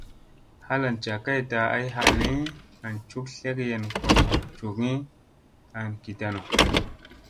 Halan jakkay taa ay halli, an cuk tlegeyen kon hu cukgi an gi tanu.